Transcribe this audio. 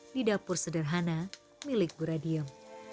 di dapur sederhana milik buradiem